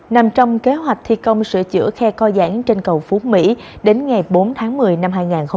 nằm trong kế hoạch thi công sửa chữa khe co giãn trên cầu phú mỹ đến ngày bốn tháng một mươi năm hai nghìn hai mươi